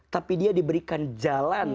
tapi dia diberikan jalan